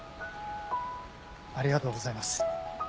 ありがとうございます。